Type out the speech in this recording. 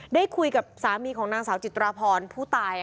ได้คุยกับสามีของนางสาวจิตราพรผู้ตาย